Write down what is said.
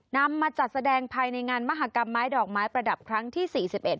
นำมาจัดแสดงภายในงานมหากรรมไม้ดอกไม้ประดับครั้งที่สี่สิบเอ็ด